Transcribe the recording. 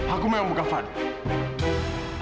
aku memang bukan fadil